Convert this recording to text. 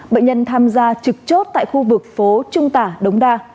bệnh nhân tham gia trực chốt tại khu vực phố trung tả đống đa